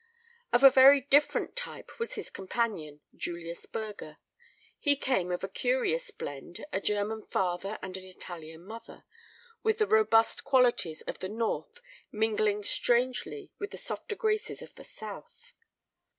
Of a very different type was his companion, Julius Burger. He came of a curious blend, a German father and an Italian mother, with the robust qualities of the North mingling strangely with the softer graces of the South.